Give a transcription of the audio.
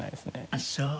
あっそう。